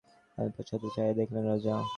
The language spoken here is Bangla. নক্ষত্ররায় পশ্চাতে চাহিয়া দেখিলেন, রাজা।